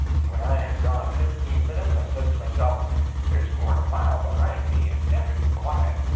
When I had gone fifteen minutes I says to myself, there's more'n a mile behind me, and everything quiet.